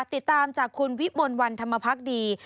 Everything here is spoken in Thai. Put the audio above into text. ติดตามจากคุณวิมลวันธรรมพักดี